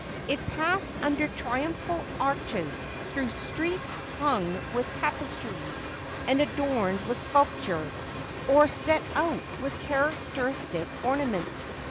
It passed under triumphal arches, through streets hung with tapestry, and adorned with sculpture, or set out with characteristic ornaments.